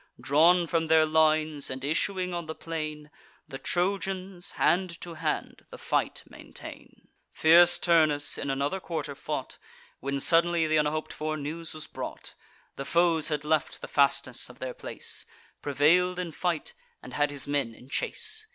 Drawn from their lines, and issuing on the plain, The Trojans hand to hand the fight maintain. Fierce Turnus in another quarter fought, When suddenly th' unhop'd for news was brought, The foes had left the fastness of their place, Prevail'd in fight, and had his men in chase.